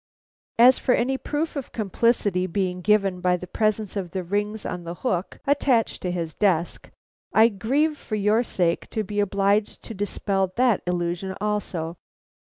"As for any proof of complicity being given by the presence of the rings on the hook attached to his desk, I grieve for your sake to be obliged to dispel that illusion also.